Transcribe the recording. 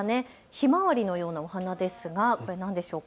ひまわりのようなお花ですがこれは何でしょうか。